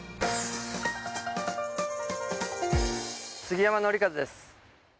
杉山記一です。